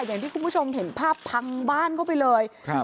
อย่างที่คุณผู้ชมเห็นภาพพังบ้านเข้าไปเลยครับ